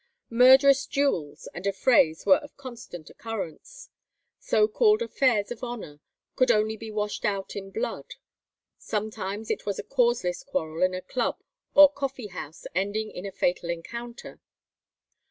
Murderous duels and affrays were of constant occurrence. So called affairs of honour could only be washed out in blood. Sometimes it was a causeless quarrel in a club or coffee house ending in a fatal encounter.